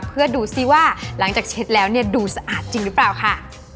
เพื่อดูสิว่าหลังจากเช็ดแล้วเนี่ยดูสะอาดจริงหรือเปล่าค่ะ